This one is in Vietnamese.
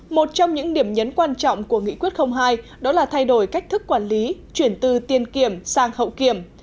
một trong những điểm nhấn quan trọng của nghị quyết hai đó là thay đổi cách thức quản lý chuyển từ tiên kiểm sang hậu kiểm